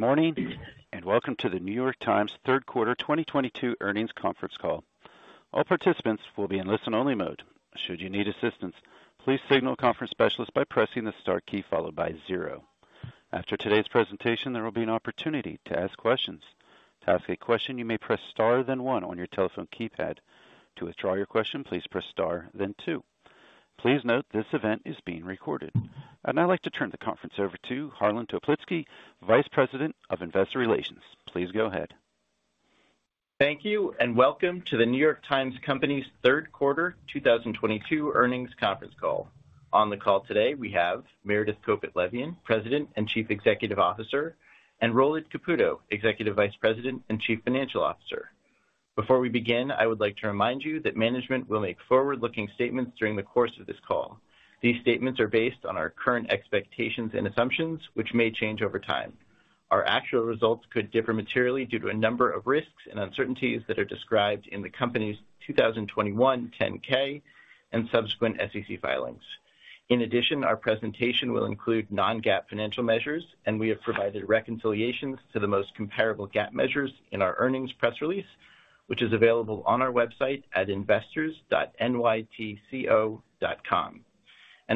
Good morning, and welcome to The New York Times third quarter 2022 earnings conference call. All participants will be in listen-only mode. Should you need assistance, please signal a conference specialist by pressing the star key followed by zero. After today's presentation, there will be an opportunity to ask questions. To ask a question, you may press star then one on your telephone keypad. To withdraw your question, please press star then two. Please note this event is being recorded. I'd now like to turn the conference over to Harlan Toplitzky, Vice President of Investor Relations. Please go ahead. Thank you, and welcome to The New York Times Company's third quarter 2022 earnings conference call. On the call today, we have Meredith Kopit Levien, President and Chief Executive Officer, and Roland Caputo, Executive Vice President and Chief Financial Officer. Before we begin, I would like to remind you that management will make forward-looking statements during the course of this call. These statements are based on our current expectations and assumptions, which may change over time. Our actual results could differ materially due to a number of risks and uncertainties that are described in the company's 2021 10-K and subsequent SEC filings. In addition, our presentation will include non-GAAP financial measures, and we have provided reconciliations to the most comparable GAAP measures in our earnings press release, which is available on our website at investors.nytco.com.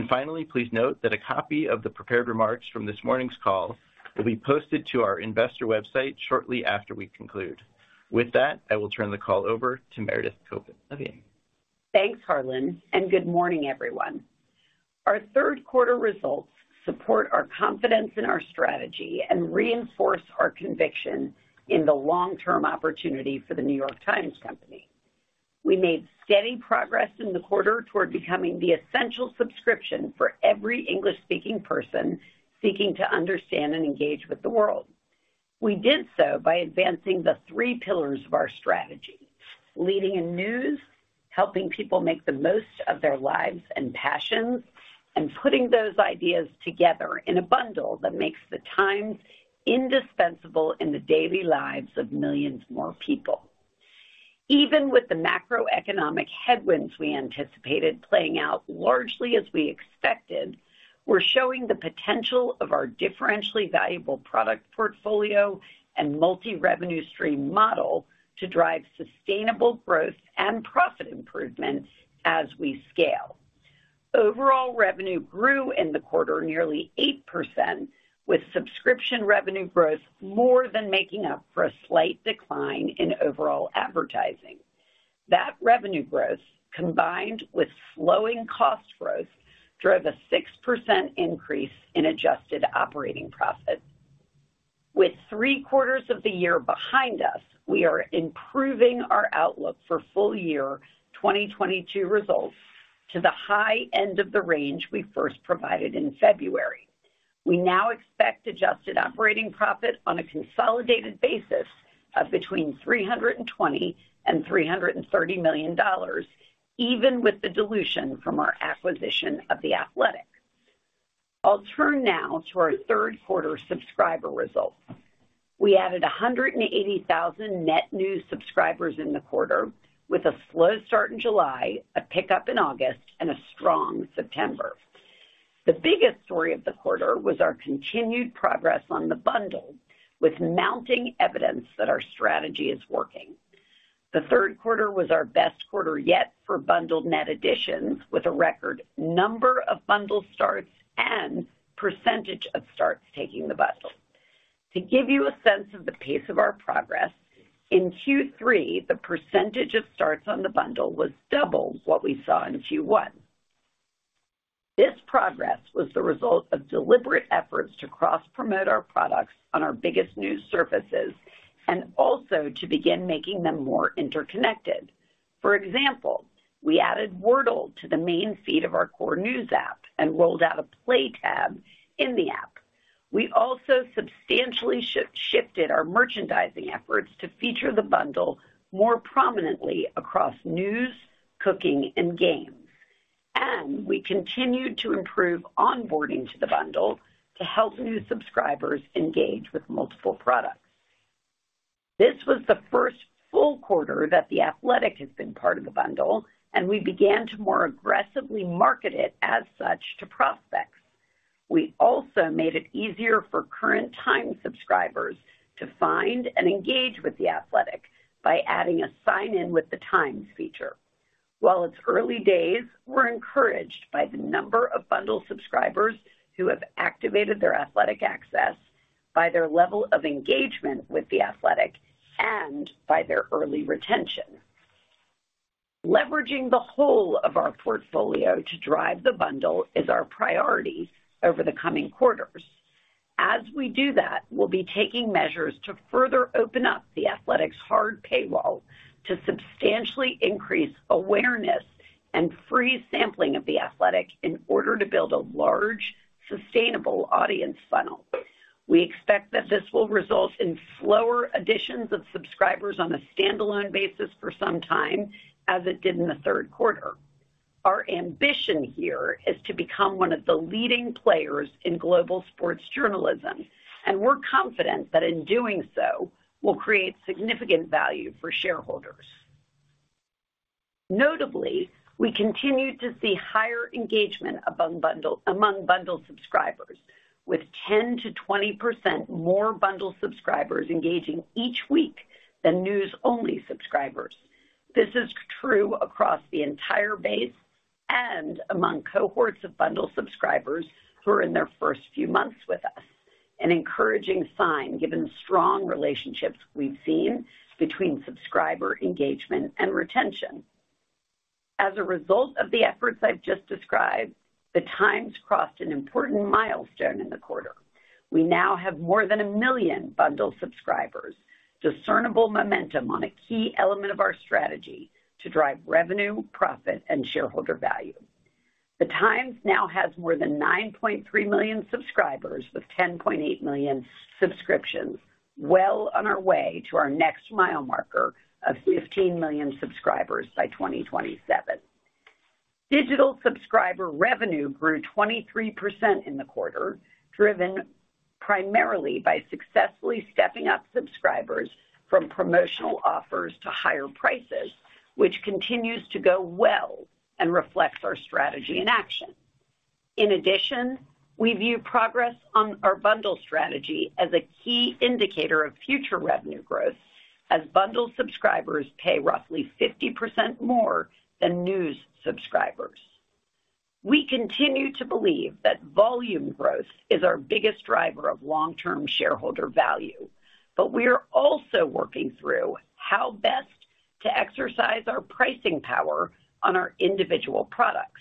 Finally, please note that a copy of the prepared remarks from this morning's call will be posted to our investor website shortly after we conclude. With that, I will turn the call over to Meredith Kopit Levien. Thanks, Harlan, and good morning, everyone. Our third quarter results support our confidence in our strategy and reinforce our conviction in the long-term opportunity for the New York Times Company. We made steady progress in the quarter toward becoming the essential subscription for every English-speaking person seeking to understand and engage with the world. We did so by advancing the three pillars of our strategy, leading in news, helping people make the most of their lives and passions, and putting those ideas together in a bundle that makes the Times indispensable in the daily lives of millions more people. Even with the macroeconomic headwinds we anticipated playing out largely as we expected, we're showing the potential of our differentially valuable product portfolio and multi-revenue stream model to drive sustainable growth and profit improvement as we scale. Overall revenue grew in the quarter nearly 8%, with subscription revenue growth more than making up for a slight decline in overall advertising. That revenue growth, combined with slowing cost growth, drove a 6% increase in adjusted operating profit. With three-quarters of the year behind us, we are improving our outlook for full year 2022 results to the high end of the range we first provided in February. We now expect adjusted operating profit on a consolidated basis of between $320 million and $330 million, even with the dilution from our acquisition of The Athletic. I'll turn now to our third quarter subscriber results. We added 180,000 net new subscribers in the quarter, with a slow start in July, a pickup in August, and a strong September. The biggest story of the quarter was our continued progress on the bundle, with mounting evidence that our strategy is working. The third quarter was our best quarter yet for bundle net additions, with a record number of bundle starts and percentage of starts taking the bundle. To give you a sense of the pace of our progress, in Q3, the percentage of starts on the bundle was double what we saw in Q1. This progress was the result of deliberate efforts to cross-promote our products on our biggest news surfaces and also to begin making them more interconnected. For example, we added Wordle to the main feed of our core news app and rolled out a Play tab in the app. We also substantially shifted our merchandising efforts to feature the bundle more prominently across news, cooking, and games. We continued to improve onboarding to the bundle to help new subscribers engage with multiple products. This was the first full quarter that The Athletic has been part of the bundle, and we began to more aggressively market it as such to prospects. We also made it easier for current Times subscribers to find and engage with The Athletic by adding a sign-in with The Times feature. While it's early days, we're encouraged by the number of bundle subscribers who have activated their Athletic access by their level of engagement with The Athletic and by their early retention. Leveraging the whole of our portfolio to drive the bundle is our priority over the coming quarters. As we do that, we'll be taking measures to further open up The Athletic's hard paywall to substantially increase awareness and free sampling of The Athletic in order to build a large, sustainable audience funnel. We expect that this will result in slower additions of subscribers on a standalone basis for some time, as it did in the third quarter. Our ambition here is to become one of the leading players in global sports journalism, and we're confident that in doing so will create significant value for shareholders. Notably, we continue to see higher engagement among bundle subscribers with 10%-20% more bundle subscribers engaging each week than news-only subscribers. This is true across the entire base and among cohorts of bundle subscribers who are in their first few months with us, an encouraging sign given the strong relationships we've seen between subscriber engagement and retention. As a result of the efforts I've just described, the Times crossed an important milestone in the quarter. We now have more than 1 million bundle subscribers, discernible momentum on a key element of our strategy to drive revenue, profit, and shareholder value. The Times now has more than 9.3 million subscribers with 10.8 million subscriptions, well on our way to our next mile marker of 15 million subscribers by 2027. Digital subscriber revenue grew 23% in the quarter, driven primarily by successfully stepping up subscribers from promotional offers to higher prices, which continues to go well and reflects our strategy in action. In addition, we view progress on our bundle strategy as a key indicator of future revenue growth as bundle subscribers pay roughly 50% more than news subscribers. We continue to believe that volume growth is our biggest driver of long-term shareholder value, but we are also working through how best to exercise our pricing power on our individual products.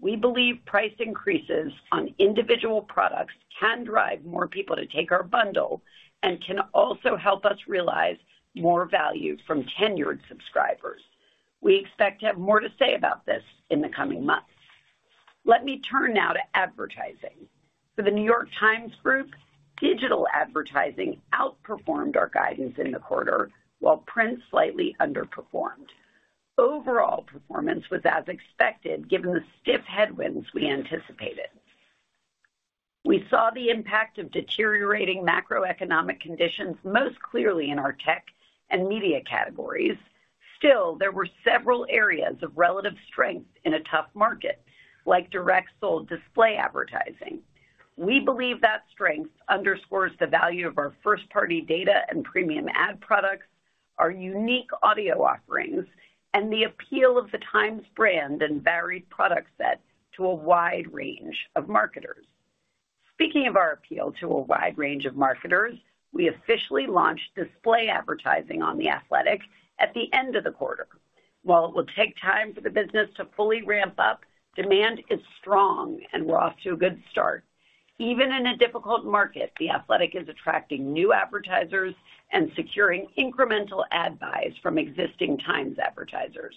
We believe price increases on individual products can drive more people to take our bundle and can also help us realize more value from tenured subscribers. We expect to have more to say about this in the coming months. Let me turn now to advertising. For The New York Times Group, digital advertising outperformed our guidance in the quarter while print slightly underperformed. Overall performance was as expected given the stiff headwinds we anticipated. We saw the impact of deteriorating macroeconomic conditions most clearly in our tech and media categories. Still, there were several areas of relative strength in a tough market, like direct sold display advertising. We believe that strength underscores the value of our first-party data and premium ad products, our unique audio offerings, and the appeal of The Times brand and varied product set to a wide range of marketers. Speaking of our appeal to a wide range of marketers, we officially launched display advertising on The Athletic at the end of the quarter. While it will take time for the business to fully ramp up, demand is strong and we're off to a good start. Even in a difficult market, The Athletic is attracting new advertisers and securing incremental ad buys from existing Times advertisers.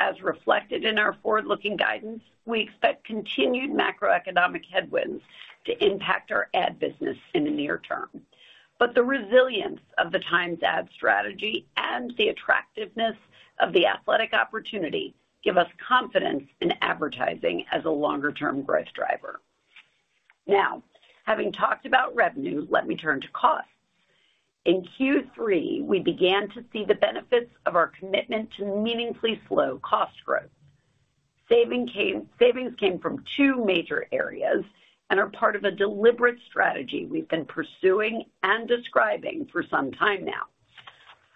As reflected in our forward-looking guidance, we expect continued macroeconomic headwinds to impact our ad business in the near term. The resilience of The Times ad strategy and the attractiveness of The Athletic opportunity give us confidence in advertising as a longer-term growth driver. Now, having talked about revenue, let me turn to cost. In Q3, we began to see the benefits of our commitment to meaningfully slow cost growth. Savings came from two major areas and are part of a deliberate strategy we've been pursuing and describing for some time now.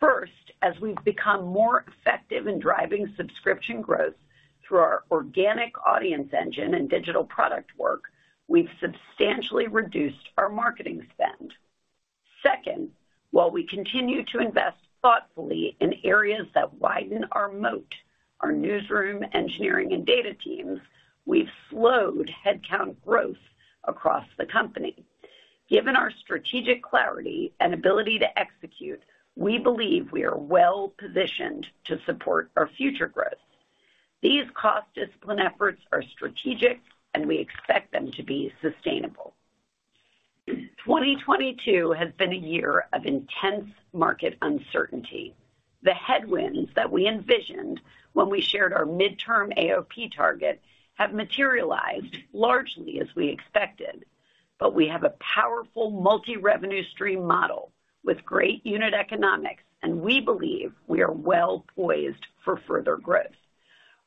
First, as we've become more effective in driving subscription growth through our organic audience engine and digital product work, we've substantially reduced our marketing spend. Second, while we continue to invest thoughtfully in areas that widen our moat, our newsroom, engineering, and data teams, we've slowed headcount growth across the company. Given our strategic clarity and ability to execute, we believe we are well-positioned to support our future growth. These cost discipline efforts are strategic, and we expect them to be sustainable. 2022 has been a year of intense market uncertainty. The headwinds that we envisioned when we shared our midterm AOP target have materialized largely as we expected, but we have a powerful multi-revenue stream model with great unit economics, and we believe we are well poised for further growth.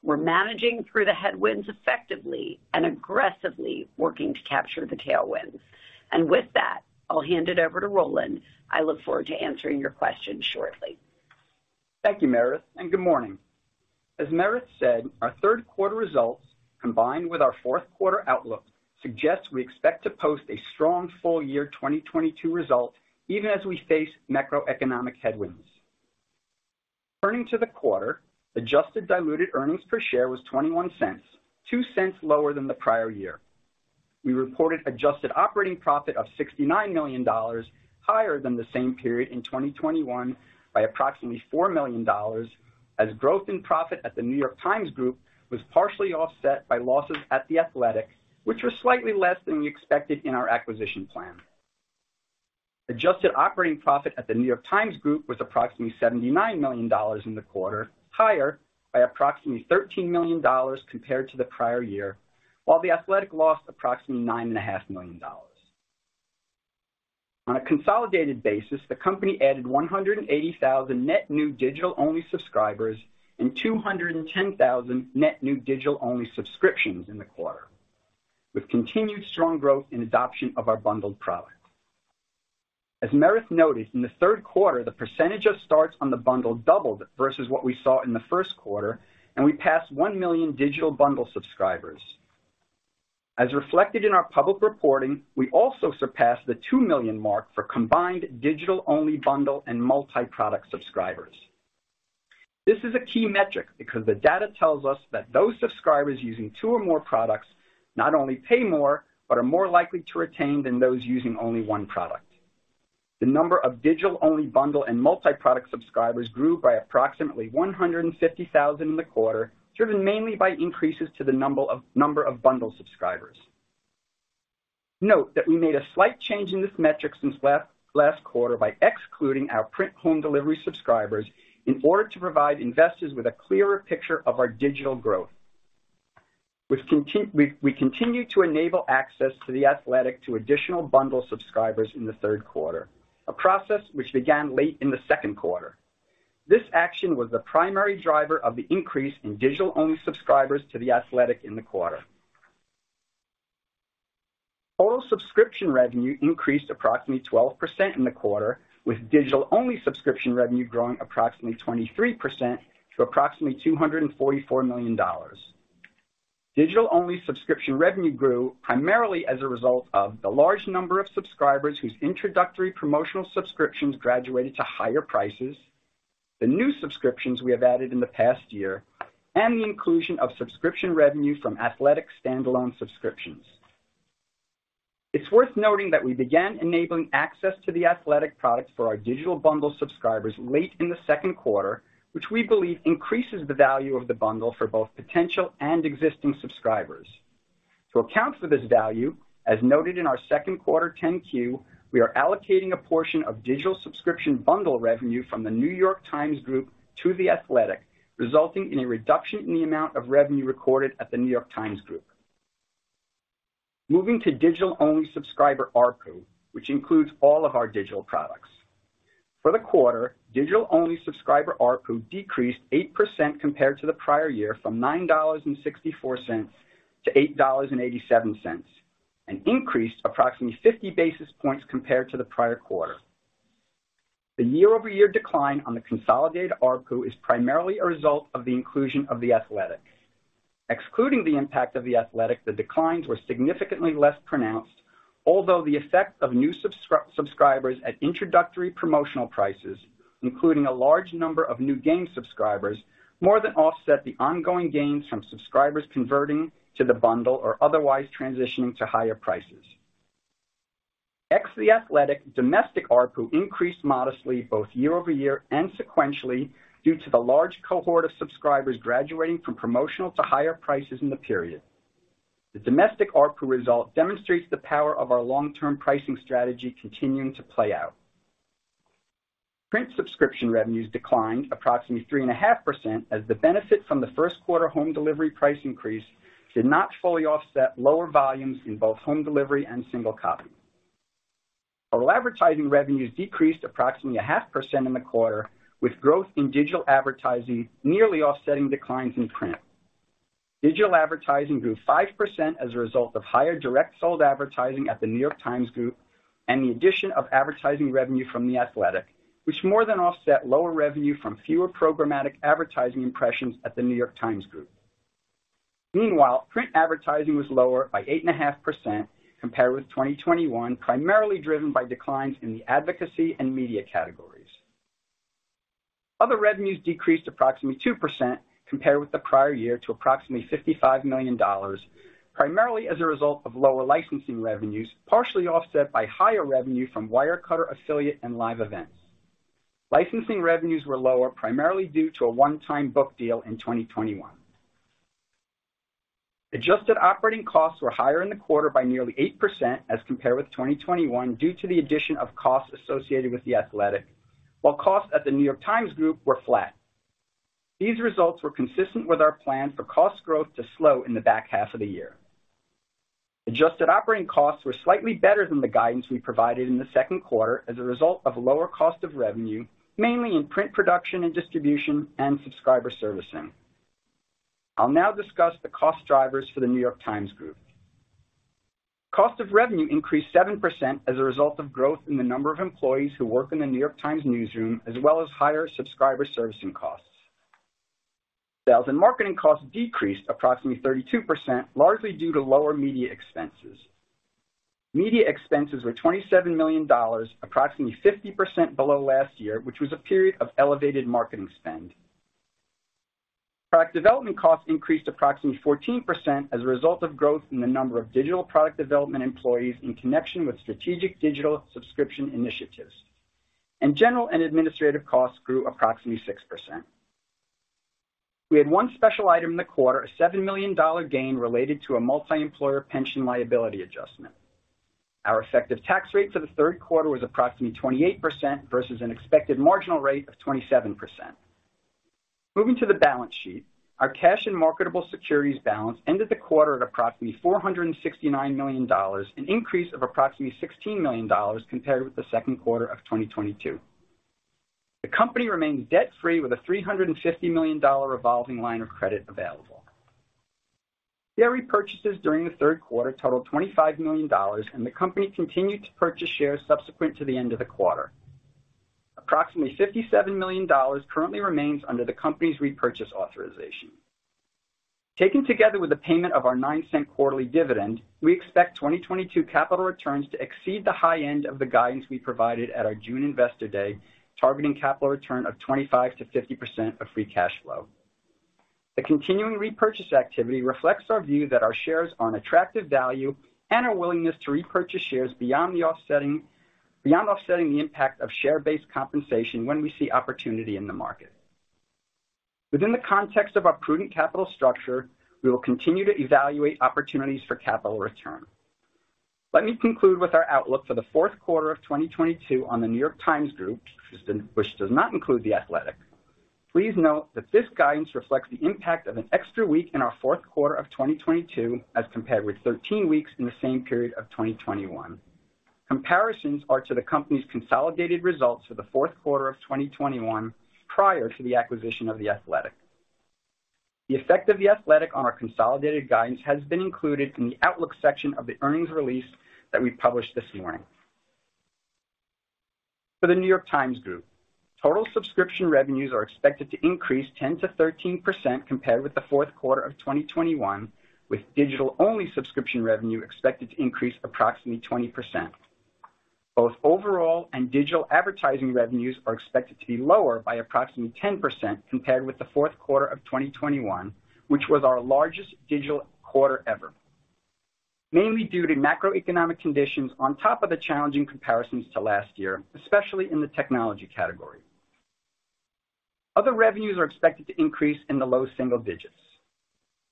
We're managing through the headwinds effectively and aggressively working to capture the tailwinds. With that, I'll hand it over to Roland. I look forward to answering your questions shortly. Thank you, Meredith, and good morning. As Meredith said, our third quarter results, combined with our fourth quarter outlook, suggest we expect to post a strong full year 2022 result, even as we face macroeconomic headwinds. Turning to the quarter, adjusted diluted earnings per share was $0.21, $0.02 lower than the prior year. We reported adjusted operating profit of $69 million, higher than the same period in 2021 by approximately $4 million, as growth in profit at The New York Times Group was partially offset by losses at The Athletic, which were slightly less than we expected in our acquisition plan. Adjusted operating profit at The New York Times Group was approximately $79 million in the quarter, higher by approximately $13 million compared to the prior year, while The Athletic lost approximately $9.5 million. On a consolidated basis, the company added 180,000 net new digital-only subscribers and 210,000 net new digital-only subscriptions in the quarter, with continued strong growth in adoption of our bundled product. As Meredith noted, in the third quarter, the percentage of starts on the bundle doubled versus what we saw in the first quarter, and we passed 1 million digital bundle subscribers. As reflected in our public reporting, we also surpassed the 2 million marks for combined digital-only bundle and multi-product subscribers. This is a key metric because the data tells us that those subscribers using two or more products not only pay more but are more likely to retain than those using only one product. The number of digital-only bundle and multi-product subscribers grew by approximately 150,000 in the quarter, driven mainly by increases to the number of bundle subscribers. Note that we made a slight change in this metric since last quarter by excluding our print home delivery subscribers in order to provide investors with a clearer picture of our digital growth. We continue to enable access to The Athletic to additional bundle subscribers in the third quarter, a process which began late in the second quarter. This action was the primary driver of the increase in digital-only subscribers to The Athletic in the quarter. All subscription revenue increased approximately 12% in the quarter, with digital-only subscription revenue growing approximately 23% to approximately $244 million. Digital-only subscription revenue grew primarily as a result of the large number of subscribers whose introductory promotional subscriptions graduated to higher prices, the new subscriptions we have added in the past year, and the inclusion of subscription revenue from The Athletic standalone subscriptions. It's worth noting that we began enabling access to The Athletic products for our digital bundle subscribers late in the second quarter, which we believe increases the value of the bundle for both potential and existing subscribers. To account for this value, as noted in our second quarter 10-Q, we are allocating a portion of digital subscription bundle revenue from The New York Times Group to The Athletic, resulting in a reduction in the amount of revenue recorded at The New York Times Group. Moving to digital-only subscriber ARPU, which includes all of our digital products. For the quarter, digital-only subscriber ARPU decreased 8% compared to the prior year from $9.64 to $8.87 and increased approximately 50 basis points compared to the prior quarter. The year-over-year decline on the consolidated ARPU is primarily a result of the inclusion of The Athletic. Excluding the impact of The Athletic, the declines were significantly less pronounced, although the effect of new subscribers at introductory promotional prices, including a large number of new game subscribers, more than offset the ongoing gains from subscribers converting to the bundle or otherwise transitioning to higher prices. Excluding The Athletic domestic ARPU increased modestly both year-over-year and sequentially due to the large cohort of subscribers graduating from promotional to higher prices in the period. The domestic ARPU result demonstrates the power of our long-term pricing strategy continuing to play out. Print subscription revenues declined approximately 3.5% as the benefit from the first quarter home delivery price increase did not fully offset lower volumes in both home delivery and single copy. Our advertising revenues decreased approximately 0.5% in the quarter, with growth in digital advertising nearly offsetting declines in print. Digital advertising grew 5% as a result of higher direct sold advertising at the New York Times Group and the addition of advertising revenue from The Athletic, which more than offset lower revenue from fewer programmatic advertising impressions at the New York Times Group. Meanwhile, print advertising was lower by 8.5% compared with 2021, primarily driven by declines in the advocacy and media categories. Other revenues decreased approximately 2% compared with the prior year to approximately $55 million, primarily as a result of lower licensing revenues, partially offset by higher revenue from Wirecutter affiliate and live events. Licensing revenues were lower primarily due to a one-time book deal in 2021. Adjusted operating costs were higher in the quarter by nearly 8% as compared with 2021 due to the addition of costs associated with The Athletic, while costs at the New York Times Group were flat. These results were consistent with our plan for cost growth to slow in the back half of the year. Adjusted operating costs were slightly better than the guidance we provided in the second quarter as a result of lower cost of revenue, mainly in print production and distribution and subscriber servicing. I'll now discuss the cost drivers for the New York Times Group. Cost of revenue increased 7% as a result of growth in the number of employees who work in the New York Times newsroom, as well as higher subscriber servicing costs. Sales and marketing costs decreased approximately 32%, largely due to lower media expenses. Media expenses were $27 million, approximately 50% below last year, which was a period of elevated marketing spend. Product development costs increased approximately 14% as a result of growth in the number of digital product development employees in connection with strategic digital subscription initiatives. General and administrative costs grew approximately 6%. We had one special item in the quarter; a $7 million gain related to a multi-employer pension liability adjustment. Our effective tax rate for the third quarter was approximately 28% versus an expected marginal rate of 27%. Moving to the balance sheet. Our cash and marketable securities balance ended the quarter at approximately $469 million, an increase of approximately $16 million compared with the second quarter of 2022. The company remains debt free with a $350 million revolving line of credit available. Share repurchases during the third quarter totaled $25 million, and the company continued to purchase shares subsequent to the end of the quarter. Approximately $57 million currently remains under the company's repurchase authorization. Taken together with the payment of our $0.09 quarterly dividend, we expect 2022 capital returns to exceed the high end of the guidance we provided at our June Investor Day, targeting capital return of 25%-50% of free cash flow. The continuing repurchase activity reflects our view that our shares are an attractive value and our willingness to repurchase shares beyond offsetting the impact of share-based compensation when we see opportunity in the market. Within the context of our prudent capital structure, we will continue to evaluate opportunities for capital return. Let me conclude with our outlook for the fourth quarter of 2022 on The New York Times Group, which does not include The Athletic. Please note that this guidance reflects the impact of an extra week in our fourth quarter of 2022, as compared with 13 weeks in the same period of 2021. Comparisons are to the company's consolidated results for the fourth quarter of 2021 prior to the acquisition of The Athletic. The effect of The Athletic on our consolidated guidance has been included in the outlook section of the earnings release that we published this morning. For The New York Times Group, total subscription revenues are expected to increase 10%-13% compared with the fourth quarter of 2021, with digital-only subscription revenue expected to increase approximately 20%. Both overall and digital advertising revenues are expected to be lower by approximately 10% compared with the fourth quarter of 2021, which was our largest digital quarter ever, mainly due to macroeconomic conditions on top of the challenging comparisons to last year, especially in the technology category. Other revenues are expected to increase in the low single digits.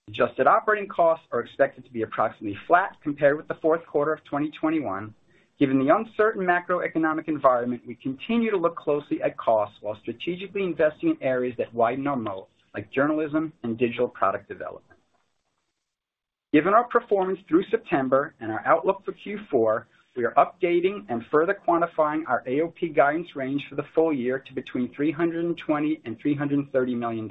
Adjusted operating costs are expected to be approximately flat compared with the fourth quarter of 2021. Given the uncertain macroeconomic environment, we continue to look closely at costs while strategically investing in areas that widen our moat, like journalism and digital product development. Given our performance through September and our outlook for Q4, we are updating and further quantifying our AOP guidance range for the full year to between $320 million and $330 million.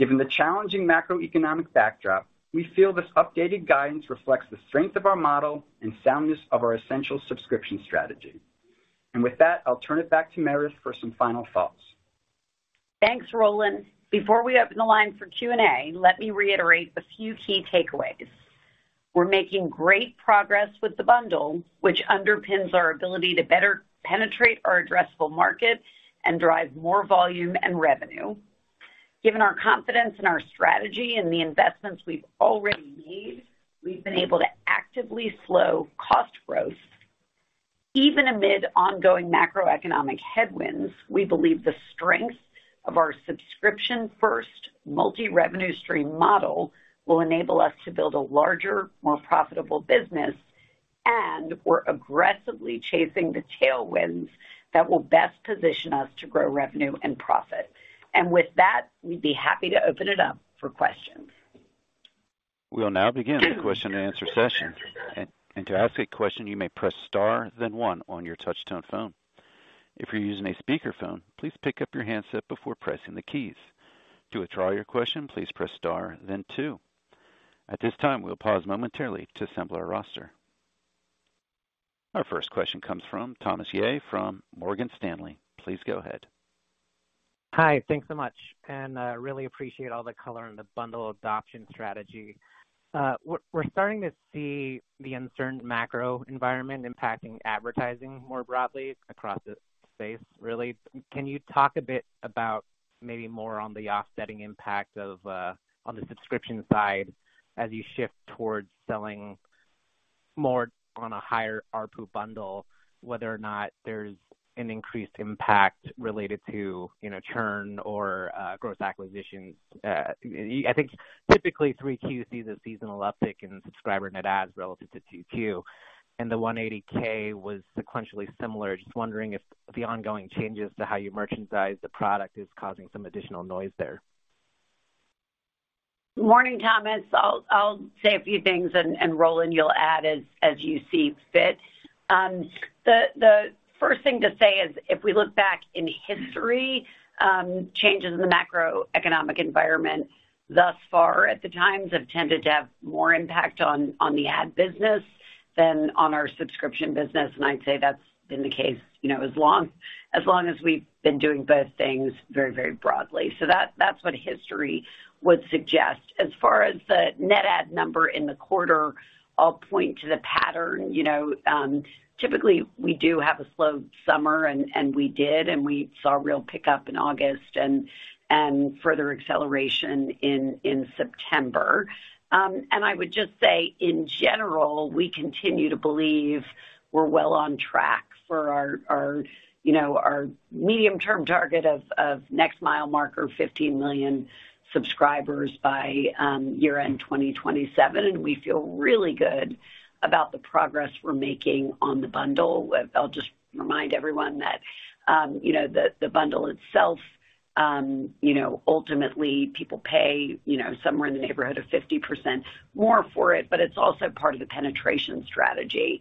Given the challenging macroeconomic backdrop, we feel this updated guidance reflects the strength of our model and soundness of our essential subscription strategy. With that, I'll turn it back to Meredith for some final thoughts. Thanks, Roland. Before we open the line for Q&A, let me reiterate a few key takeaways. We're making great progress with the bundle, which underpins our ability to better penetrate our addressable markets and drive more volume and revenue. Given our confidence in our strategy and the investments we've already made, we've been able to actively slow cost growth. Even amid ongoing macroeconomic headwinds, we believe the strength of our subscription-first multi-revenue stream model will enable us to build a larger, more profitable business, and we're aggressively chasing the tailwinds that will best position us to grow revenue and profit. With that, we'd be happy to open it up for questions. We'll now begin the question-and-answer session. To ask a question, you may press Star then one on your touch tone phone. If you're using a speakerphone, please pick up your handset before pressing the keys. To withdraw your question, please press Star then two. At this time, we'll pause momentarily to assemble our roster. Our first question comes from Thomas Yeh from Morgan Stanley. Please go ahead. Hi, thanks so much and really appreciate all the color on the bundle adoption strategy. We're starting to see the uncertain macro environment impacting advertising more broadly across the space, really. Can you talk a bit about maybe more on the offsetting impact of on the subscription side as you shift towards selling more on a higher ARPU bundle, whether or not there's an increased impact related to, you know, churn or gross acquisitions? I think typically 3Q sees a seasonal uptick in subscriber net adds relative to 2Q, and the 180K was sequentially similar. Just wondering if the ongoing changes to how you merchandise the product is causing some additional noise there. Morning, Thomas. I'll say a few things, and Roland, you'll add as you see fit. The first thing to say is if we look back in history, changes in the macroeconomic environment thus far at The Times have tended to have more impact on the ad business than on our subscription business, and I'd say that's been the case, you know, as long as we've been doing both things very broadly. That's what history would suggest. As far as the net add number in the quarter, I'll point to the pattern. You know, typically we do have a slow summer, and we did, and we saw a real pickup in August and further acceleration in September. I would just say, in general, we continue to believe we're well on track for our you know, our medium-term target of next mile marker, 15 million subscribers by year-end 2027. We feel really good about the progress we're making on the bundle. I'll just remind everyone that, you know, the bundle itself. You know, ultimately people pay, you know, somewhere in the neighborhood of 50% more for it, but it's also part of the penetration strategy.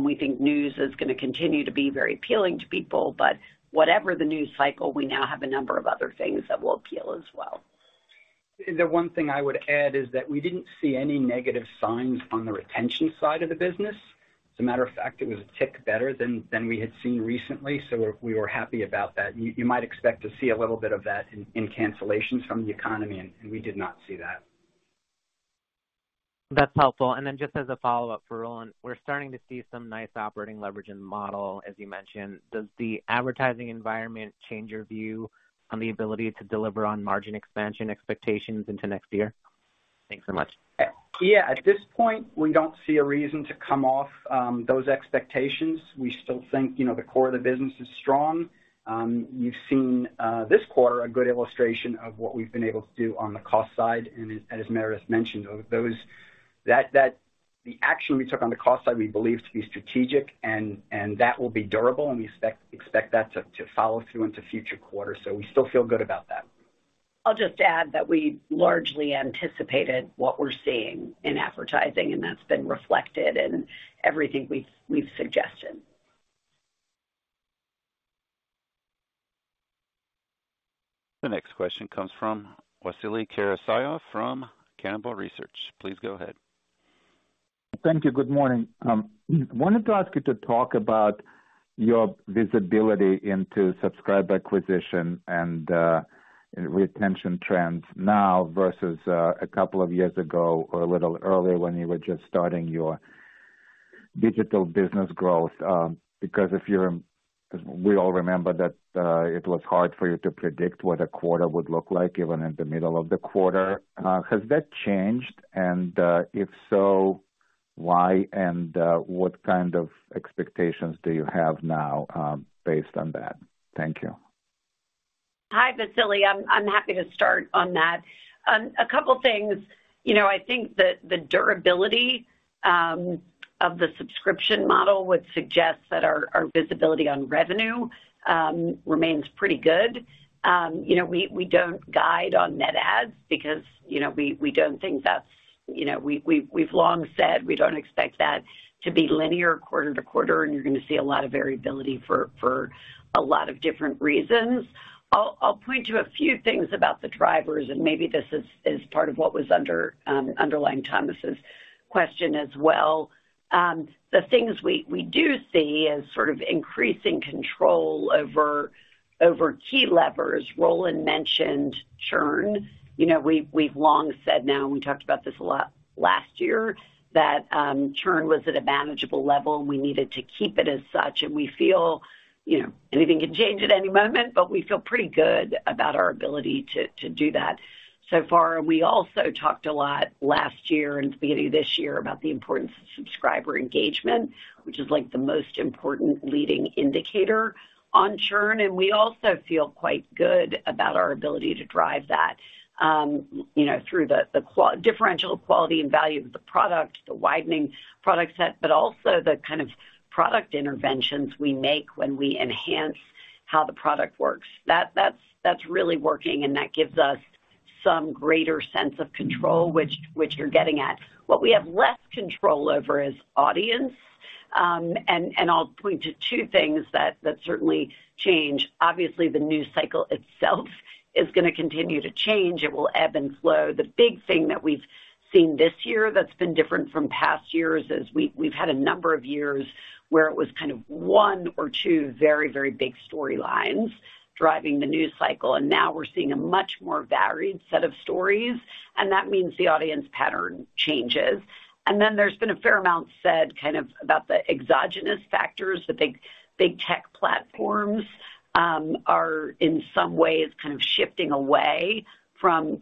We think news is gonna continue to be very appealing to people, but whatever the news cycles we now have a number of other things that will appeal as well. The one thing I would add is that we didn't see any negative signs on the retention side of the business. As a matter of fact, it was a tick better than we had seen recently, so we were happy about that. You might expect to see a little bit of that in cancellations from the economy, and we did not see that. That's helpful. Just as a follow-up for Roland, we're starting to see some nice operating leverage in the model, as you mentioned. Does the advertising environment change your view on the ability to deliver on margin expansion expectations into next year? Thanks so much. Yeah. At this point, we don't see a reason to come off those expectations. We still think, you know, the core of the business is strong. You've seen this quarter a good illustration of what we've been able to do on the cost side, and as Meredith mentioned, the action we took on the cost side we believe to be strategic and that will be durable, and we expect that to follow through into future quarters. We still feel good about that. I'll just add that we largely anticipated what we're seeing in advertising, and that's been reflected in everything we've suggested. The next question comes from Vasily Karasyov from Cannonball Research. Please go ahead. Thank you. Good morning. Wanted to ask you to talk about your visibility into subscriber acquisition and retention trends now versus a couple of years ago or a little earlier when you were just starting your digital business growth. Because 'cause we all remember that it was hard for you to predict what a quarter would look like, even in the middle of the quarter. Has that changed? What kind of expectations do you have now based on that? Thank you. Hi, Vasily. I'm happy to start on that. A couple things. You know, I think that the durability of the subscription model would suggest that our visibility on revenue remains pretty good. You know, we don't guide on net adds because, you know, we don't think that's. You know, we've long said we don't expect that to be linear quarter to quarter, and you're gonna see a lot of variability for a lot of different reasons. I'll point to a few things about the drivers, and maybe this is part of what was underlying Thomas' question as well. The things we do see as sort of increasing control over key levers. Roland mentioned churn. You know, we've long said now, and we talked about this a lot last year, that churn was at a manageable level, and we needed to keep it as such. We feel, you know, anything can change at any moment, but we feel pretty good about our ability to do that so far. We also talked a lot last year and the beginning of this year about the importance of subscriber engagement, which is, like, the most important leading indicator on churn. We also feel quite good about our ability to drive that, you know, through the differential quality and value of the product, the widening product set, but also the kind of product interventions we make when we enhance how the product works. That's really working, and that gives us some greater sense of control, which you're getting at. What we have less control over is audience. I'll point to two things that certainly change. Obviously, the news cycle itself is gonna continue to change. It will ebb and flow. The big thing that we've seen this year that's been different from past years is we've had a number of years where it was kind of one or two very big storylines driving the news cycle. Now we're seeing a much more varied set of stories, and that means the audience pattern changes. Then there's been a fair amount said kind of about the exogenous factors. The big tech platforms are in some ways kind of shifting away from,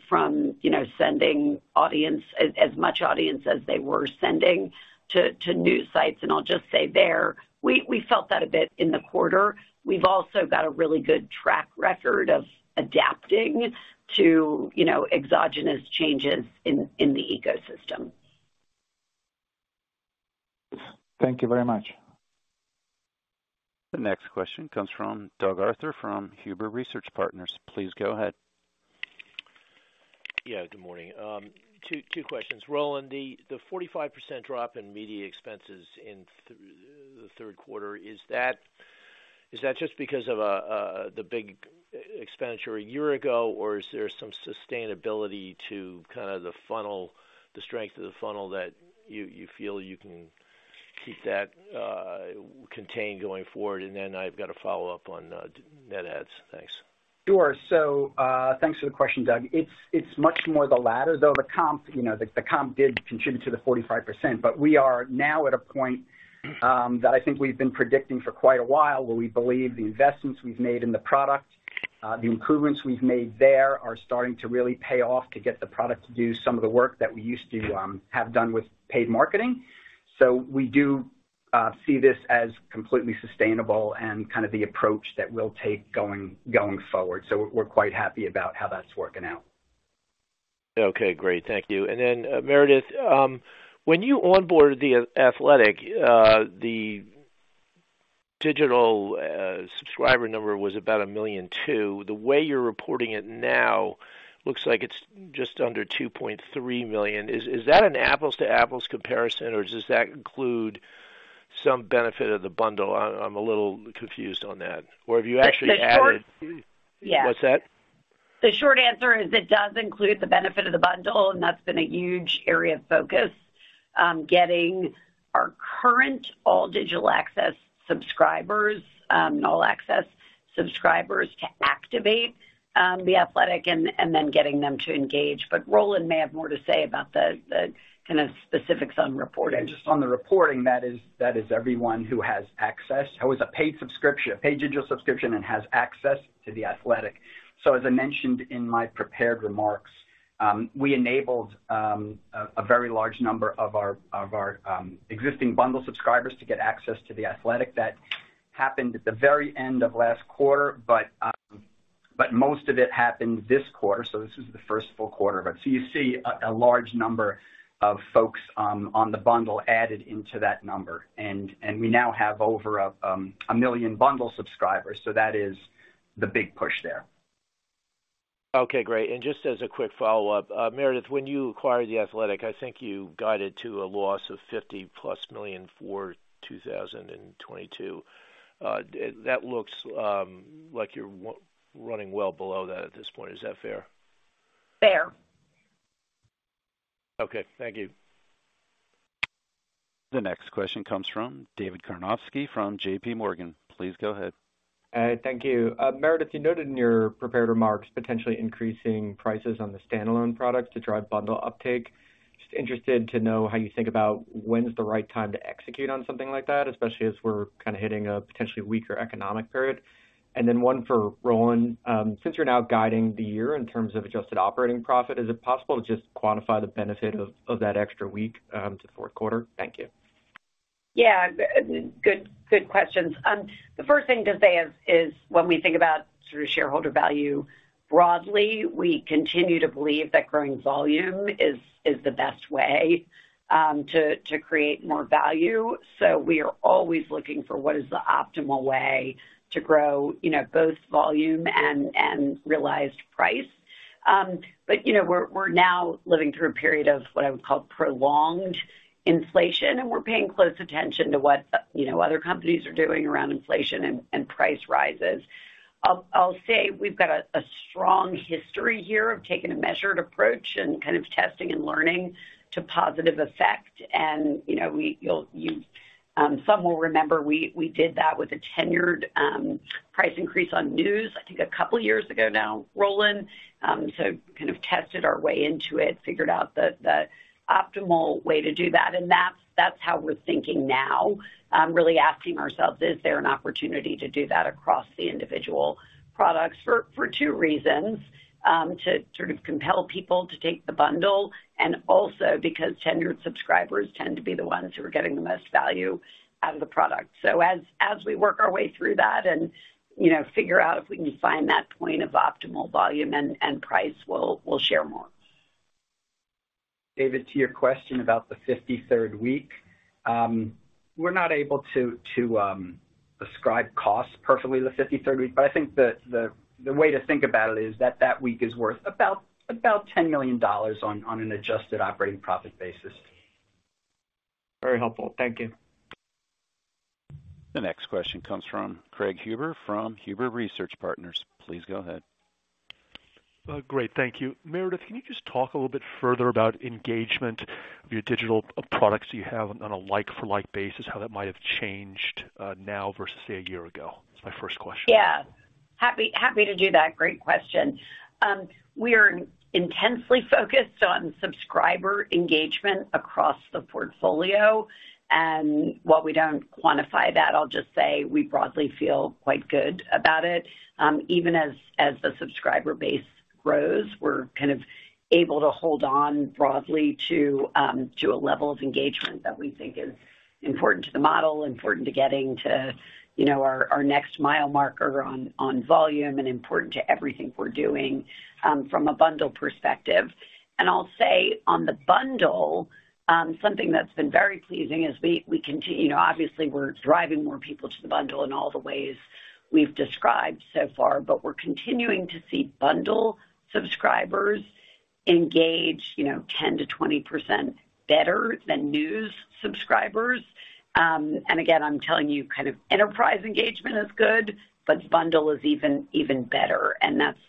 you know, sending as much audience as they were sending to news sites. I'll just say there, we felt that a bit in the quarter. We've also got a really good track record of adapting to, you know, exogenous changes in the ecosystem. Thank you very much. The next question comes from Doug Arthur from Huber Research Partners. Please go ahead. Yeah, good morning. Two questions. Roland, the 45% drop in media expenses in the third quarter, is that just because of the big expenditure a year ago, or is there some sustainability to kinda the funnel, the strength of the funnel that you feel you can keep that contained going forward? Then I've got a follow-up on net adds. Thanks. Sure. Thanks for the question, Doug. It's much more the latter, though the comp, you know, the comp did contribute to the 45%. We are now at a point that I think we've been predicting for quite a while, where we believe the investments we've made in the product, the improvements we've made there are starting to really pay off to get the product to do some of the work that we used to have done with paid marketing. We do see this as completely sustainable and kind of the approach that we'll take going forward. We're quite happy about how that's working out. Okay, great. Thank you. Meredith, when you onboarded The Athletic, the digital subscriber number was about 1.2 million. The way you're reporting it now looks like it's just under 2.3 million. Is that an apples-to-apples comparison or does that include some benefit of the bundle? I'm a little confused on that. Or have you actually added Yeah. What's that? The short answer is it does include the benefit of the bundle, and that's been a huge area of focus, getting our current all digital access subscribers, and all access subscribers to activate The Athletic and then getting them to engage. But Roland may have more to say about the kind of specifics on reporting. Yeah, just on the reporting, that is everyone who has access, who has a paid subscription, a paid digital subscription and has access to The Athletic. As I mentioned in my prepared remarks, we enabled a very large number of our existing bundle subscribers to get access to The Athletic. That happened at the very end of last quarter, but most of it happened this quarter, so this is the first full quarter. You see a large number of folks on the bundle added into that number. We now have over 1 million bundle subscribers. That is the big push there. Okay, great. Just as a quick follow-up, Meredith, when you acquired The Athletic, I think you guided to a loss of $50+ million for 2022. That looks like you're running well below that at this point. Is that fair? Fair. Okay. Thank you. The next question comes from David Karnovsky from JP Morgan. Please go ahead. Thank you. Meredith, you noted in your prepared remarks, potentially increasing prices on the standalone products to drive bundle uptake. Just interested to know how you think about when's the right time to execute on something like that, especially as we're kinda hitting a potentially weaker economic period. Then one for Roland. Since you're now guiding the year in terms of adjusted operating profit, is it possible to just quantify the benefit of that extra week to the fourth quarter? Thank you. Yeah. Good questions. The first thing to say is when we think about sort of shareholder value broadly, we continue to believe that growing volume is the best way to create more value. We are always looking for what is the optimal way to grow, you know, both volume and realized price. We're now living through a period of what I would call prolonged inflation, and we're paying close attention to what, you know, other companies are doing around inflation and price rises. I'll say we've got a strong history here of taking a measured approach and kind of testing and learning to positive effect. You know, some will remember, we did that with a tenured price increase on news, I think a couple years ago now, Roland. Kind of tested our way into it, figured out the optimal way to do that, and that's how we're thinking now, really asking ourselves, is there an opportunity to do that across the individual products for two reasons, to sort of compel people to take the bundle, and also because tenured subscribers tend to be the ones who are getting the most value out of the product. As we work our way through that and you know, figure out if we can find that point of optimal volume and price, we'll share more. David, to your question about the fifty-third week, we're not able to ascribe costs perfectly to the fifty-third week, but I think the way to think about it is that that week is worth about $10 million on an adjusted operating profit basis. Very helpful. Thank you. The next question comes from Craig Huber from Huber Research Partners. Please go ahead. Great, thank you. Meredith, can you just talk a little bit further about engagement of your digital products you have on a like for like basis, how that might have changed, now versus say a year ago? That's my first question. Yeah. Happy to do that. Great question. We are intensely focused on subscriber engagement across the portfolio. While we don't quantify that, I'll just say we broadly feel quite good about it. Even as the subscriber base grows, we're kind of able to hold on broadly to a level of engagement that we think is important to the model, important to getting to, you know, our next mile marker on volume and important to everything we're doing from a bundle perspective. I'll say on the bundle, something that's been very pleasing is, you know, obviously we're driving more people to the bundle in all the ways we've described so far, but we're continuing to see bundle subscribers engage, you know, 10%-20% better than news subscribers. Again, I'm telling you kind of enterprise engagement is good, but bundle is even better.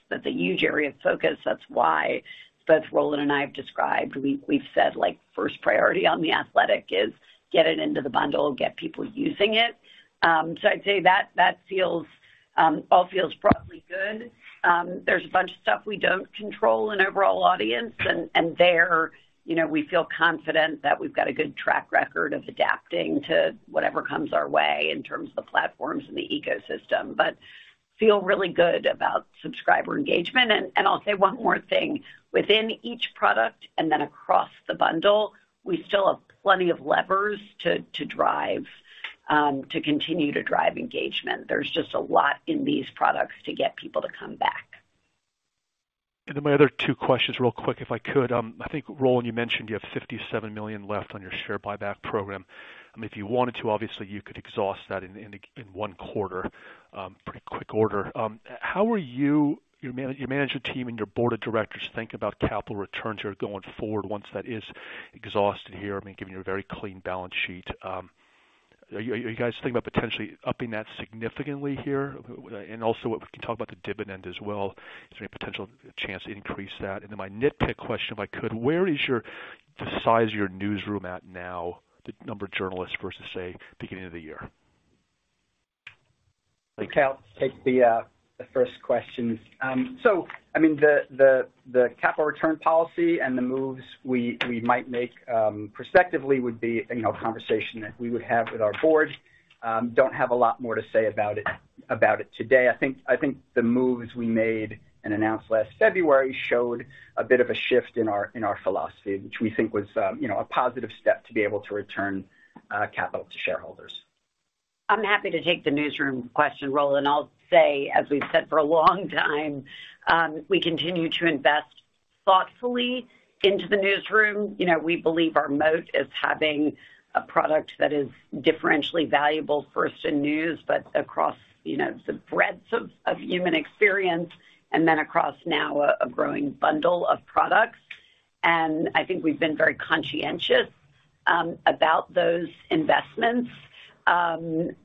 That's a huge area of focus. That's why both Roland and I have described, we've said like, first priority on The Athletic is get it into the bundle, get people using it. So I'd say that all feels broadly good. There's a bunch of stuff we don't control in overall audience, and there, you know, we feel confident that we've got a good track record of adapting to whatever comes our way in terms of the platforms and the ecosystem, but feel really good about subscriber engagement. I'll say one more thing. Within each product and then across the bundle, we still have plenty of levers to continue to drive engagement. There's just a lot in these products to get people to come back. Then my other two questions real quick, if I could. I think, Roland, you mentioned you have $57 million left on your share buyback program. I mean, if you wanted to, obviously, you could exhaust that in one quarter, pretty quick order. How are you, your management team and your board of directors think about capital returns here going forward once that is exhausted here? I mean, given your very clean balance sheet. Are you guys thinking about potentially upping that significantly here? And also if we can talk about the dividend as well. Is there any potential chance to increase that? My nitpick question, if I could, where is the size of your newsroom at now, the number of journalists versus, say, beginning of the year? Okay, I'll take the first question. I mean, the capital return policy and the moves we might make prospectively would be, you know, a conversation that we would have with our board. Don't have a lot more to say about it today. I think the moves we made and announced last February showed a bit of a shift in our philosophy, which we think was, you know, a positive step to be able to return capital to shareholders. I'm happy to take the newsroom question, Roland. I'll say, as we've said for a long time, we continue to invest thoughtfully into the newsroom. You know, we believe our moat is having a product that is differentially valuable first in news, but across the breadths of human experience and then across now a growing bundle of products. I think we've been very conscientious about those investments,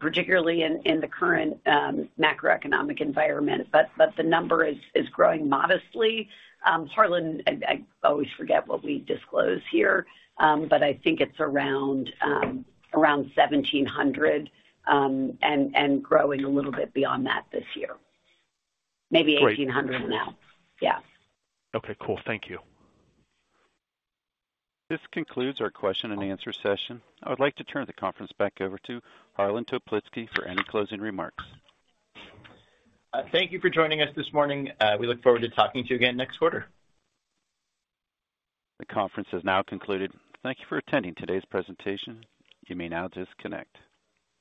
particularly in the current macroeconomic environment. The number is growing modestly. Harlan, I always forget what we disclose here, but I think it's around 1,700 and growing a little bit beyond that this year. Maybe 1,800 now. Great. Yeah. Okay, cool. Thank you. This concludes our question-and-answer session. I would like to turn the conference back over to Harlan Toplitzky for any closing remarks. Thank you for joining us this morning. We look forward to talking to you again next quarter. The conference has now concluded. Thank you for attending today's presentation. You may now disconnect.